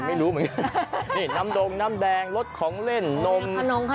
คุณผู้ชมไปฟังเสียงกันหน่อยว่าเค้าทำอะไรกันบ้างครับ